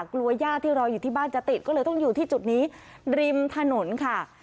กลัวญาติที่รออยู่ที่บ้านจะติดก็เลยต้องอยู่ที่จุดนี้ริมถนนค่ะ